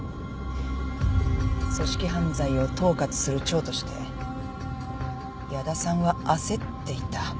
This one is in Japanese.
組織犯罪を統括する長として屋田さんは焦っていた。